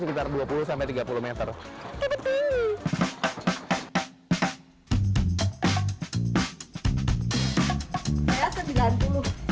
sekitar dua puluh tiga puluh m seperti ini